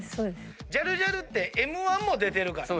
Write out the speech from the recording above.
ジャルジャルってＭ−１も出てるから。